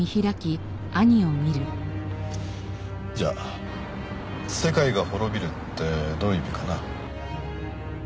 じゃあ世界が滅びるってどういう意味かな？